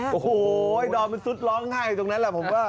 โอ้โหดอมมันซุดร้องไห้ตรงนั้นแหละผมก็